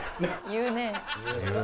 言うね。